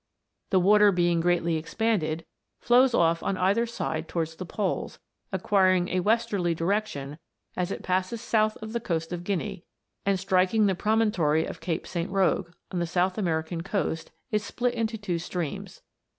The water being greatly expanded, flows off on either side towards the poles, acquiring a westerly direction as it passes south ot the coast of Guinea, and striking the promontory of Cape St. Roque, on the South American coast, is split into two streams.